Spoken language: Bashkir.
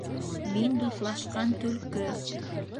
Мин дуҫлашҡан Төлкө...